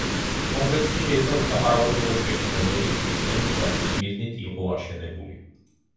კომპლექსი შეიცავს საყარაულო კოშკებს, რომლებიც სისტემის დაცვის მიზნით იყო აშენებული.